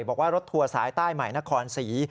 บอกว่ารถทัวร์สายใต้ใหม่นครศรี